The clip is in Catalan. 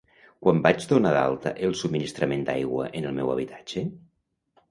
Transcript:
Quan vaig donar d'alta el subministrament d'aigua en el meu habitatge?